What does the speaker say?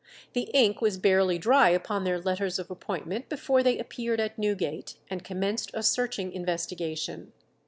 The ink was barely dry upon their letters of appointment before they appeared at Newgate, and commenced a searching investigation.